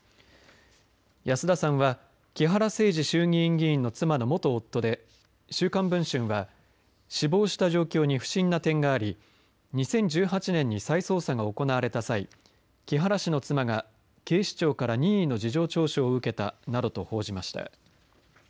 安田さんは木原誠二衆議院議員の妻の元夫で週刊文春は死亡した状況に不審な点があり２０１８年に再捜査が行われた際木原氏の妻が警視庁から任意の事情聴取を受けたなどと報じました。